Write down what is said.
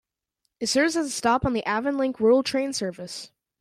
It serves as a stop on the Avonlink rural train service.